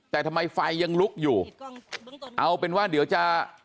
แต่ทำไมไฟยังลุกอยู่เอาเป็นว่าเดี๋ยวจะ